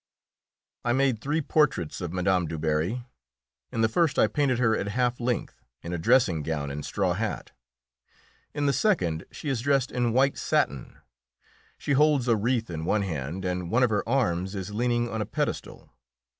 I made three portraits of Mme. Du Barry. In the first I painted her at half length, in a dressing gown and straw hat. In the second she is dressed in white satin; she holds a wreath in one hand, and one of her arms is leaning on a pedestal.